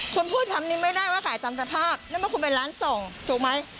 คุณพูดคำนี้ไม่ได้ว่าขายตามสภาพนั่นมันคุณเป็นร้านส่งถูกไหม